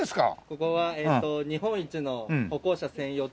ここは日本一の歩行者専用つり橋です。